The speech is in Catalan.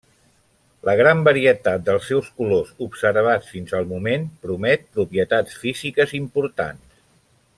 La gran varietat dels seus colors observats fins al moment promet propietats físiques importants.